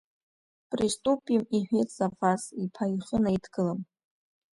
Приступим, – иҳәеит, Зафас иԥа ихы наидкылан.